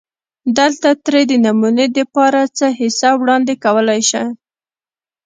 دلته ترې دنمونې دپاره څۀ حصه وړاندې کولی شي